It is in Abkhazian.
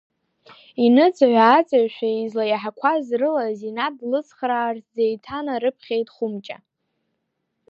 Иныҵыҩ-ааҵаҩшәа излаиаҳақәаз рыла, Зинаҭ длыцхраарц деиҭанарыԥхьеит Хәымҷа.